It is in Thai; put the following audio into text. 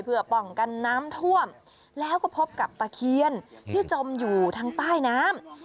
เพื่อป้องกันน้ำท่วมแล้วก็พบกับตะเคียนที่จมอยู่ทางใต้น้ำ